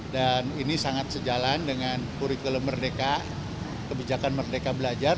dan ini sangat sejalan dengan kurikulum merdeka kebijakan merdeka belajar